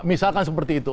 misalkan seperti itu